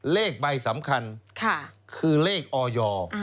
เลขใบสำคัญคือเลขออย